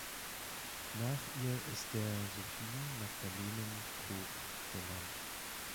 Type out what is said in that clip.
Nach ihr ist der Sophien-Magdalenen-Koog benannt.